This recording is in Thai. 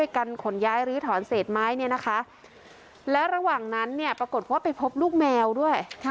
กันขนย้ายลื้อถอนเศษไม้เนี่ยนะคะและระหว่างนั้นเนี่ยปรากฏว่าไปพบลูกแมวด้วย